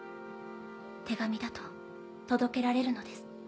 手紙だと届けられるのです。